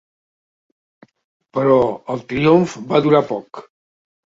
Però el triomf va durar poc.